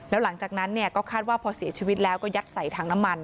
แล้วหลังจากนั้นก็คาดว่าพอเสียชีวิตแล้วก็ยัดใส่ถังน้ำมัน